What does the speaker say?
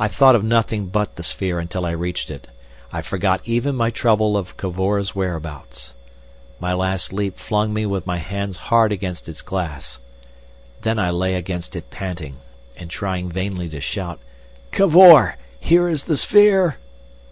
I thought of nothing but the sphere until I reached it, I forgot even my trouble of Cavor's whereabouts. My last leap flung me with my hands hard against its glass; then I lay against it panting, and trying vainly to shout, "Cavor! here is the sphere!"